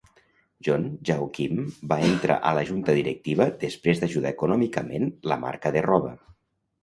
John Jaokim va entrar a la junta directiva després d'ajudar econòmicament la marca de roba.